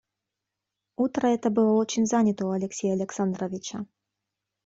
Утро это было очень занято у Алексея Александровича.